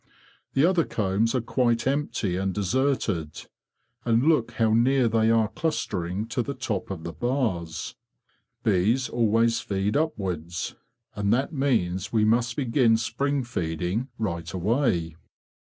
The other combs are quite empty and deserted. And look how near they are clustering to the top of the bars! Bees always feed upwards, and that means we must begin spring feeding right away."